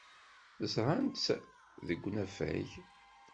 Ẓrant-tt deg unafag.